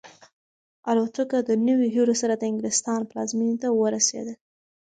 الوتکه د نویو هیلو سره د انګلستان پلازمینې ته ورسېده.